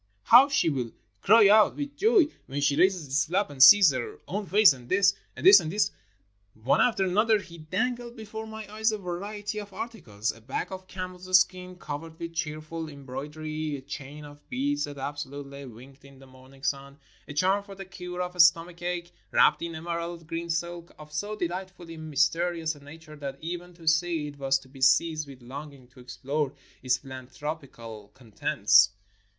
"How she will cry out with joy when she raises this flap and sees her own face. And this! and this! and this!" One after another he dangled before my eyes a variety of ar ticles; a bag of camel's skin, covered with cheerful em broidery; a chain of beads, that absolutely winked in the morning sun ; a charm for the cure of stomach ache, wrapped in emerald green silk, of so delightfully mys terious a nature that even to see it was to be seized with longing to explore its philanthropical contents.